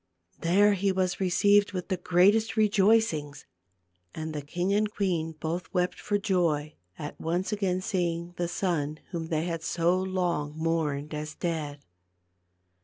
There he was received with the greatest rejoicings; and the king and queen both wept for joy at once again seeing the son whom they had so long mourned as dead.